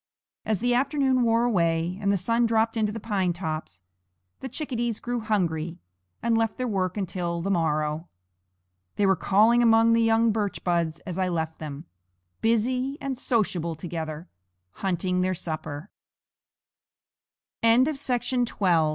As the afternoon wore away, and the sun dropped into the pine tops, the chickadees grew hungry, and left their work until the morrow. They were calling among the young birch buds as I left them, busy and sociable together, hunting their supper. XI. A FELLOW